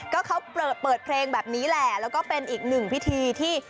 ก็เขาเปิดเพลงแบบนี้แหละแล้วก็เป็นอีกหนึ่งพิธีที่